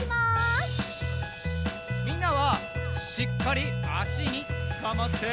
みんなはしっかりあしにつかまって！